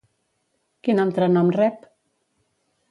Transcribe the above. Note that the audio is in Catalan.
Quin altre nom rep?